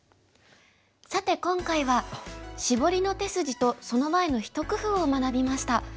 さて今回はシボリの手筋とその前の一工夫を学びました。